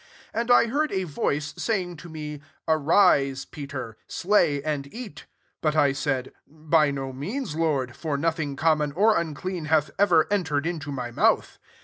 7 And I heard a voice, saying to me, * Arise, Peter ; slay and eat.' 8 But I said, ' By no means, Lord: for nothing common, or unclean hath ever entered into my mouth.'